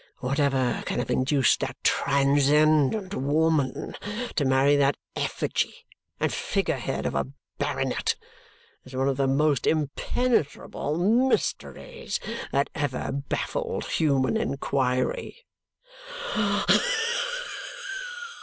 Whatever can have induced that transcendent woman to marry that effigy and figure head of a baronet is one of the most impenetrable mysteries that ever baffled human inquiry.